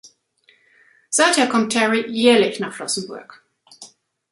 Seither kommt Terry jährlich nach Flossenbürg.